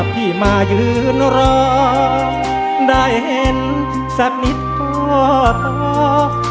ที่มายืนรอได้เห็นสักนิดก็ต่อ